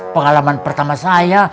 pengalaman pertama saya